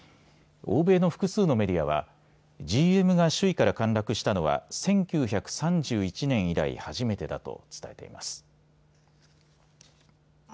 欧米の複数のメディアはＧＭが首位から陥落したのは１９３１年以来初めてだと伝えています。